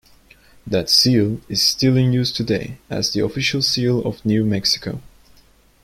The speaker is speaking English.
That seal is still in use today as the official seal of New Mexico.